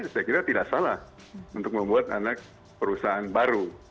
saya kira tidak salah untuk membuat anak perusahaan baru